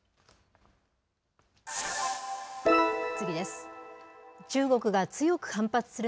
次です。